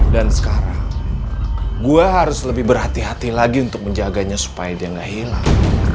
dan sekarang gua harus lebih berhati hati lagi untuk menjaganya supaya dia gak hilang